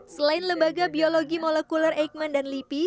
selain lembaga biologi molekuler eijkman dan lipi